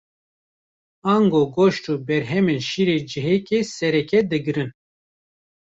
Ango goşt û berhemên şîrê cihekê sereke digirin.